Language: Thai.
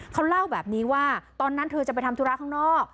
เขาเล่าแบบนี้ว่าตอนนั้นเธอจะไปทำธุระข้างนอก